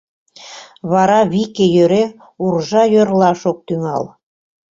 Вара вике йӧре уржа йӧрлаш ок тӱҥал.